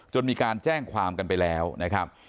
มีการแจ้งความกันไปแล้วนะครับ